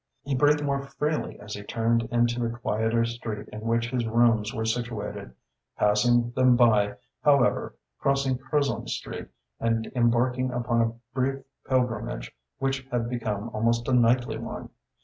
He breathed more freely as he turned into the quieter street in which his rooms were situated, passing them by, however, crossing Curzon Street and embarking upon a brief pilgrimage which had become almost a nightly one.